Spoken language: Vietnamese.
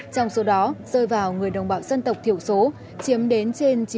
trong số đó rơi vào người đồng bào dân tộc thiểu số chiếm đến trên chín mươi